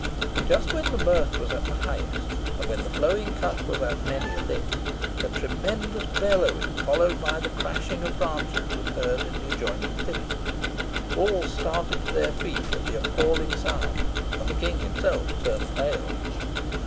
Just when the mirth was at the highest, and when the flowing cup was at many a lip, a tremendous bellowing, followed by the crashing of branches, was heard in the adjoining thicket. All started to their feet at the appalling sound, and the King himself turned pale.